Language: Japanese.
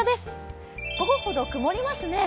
午後ほど曇りますね。